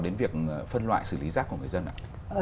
đến việc phân loại xử lý rác của người dân ạ